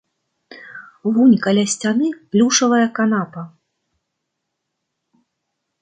Вунь каля сцяны плюшавая канапа.